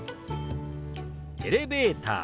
「エレベーター」。